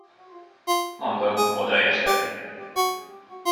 Mondom, odaértek.